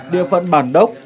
địa phận bản đốc